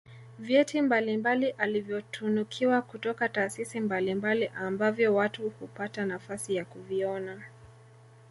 vyeti mbalimbali alivyotunikiwa kutoka taasisi mbalimbali ambavyo watu hupata nafasi ya kuviona